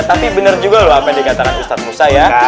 tapi benar juga loh apa yang dikatakan ustadz musa ya